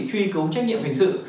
truy cứu trách nhiệm hình sự